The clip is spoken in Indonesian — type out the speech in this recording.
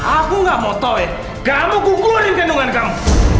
aku gak mau tau ya kamu kukulin kandungan kamu